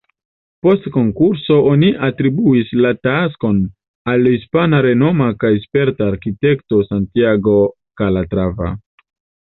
Post konkurso, oni atribuis la taskon al hispana renoma kaj sperta arkitekto Santiago Calatrava.